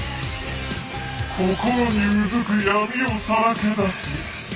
心にうずく闇をさらけ出せ。